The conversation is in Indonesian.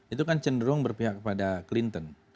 itu kan cenderung berpihak kepada clinton